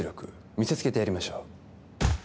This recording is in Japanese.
見せつけてやりましょう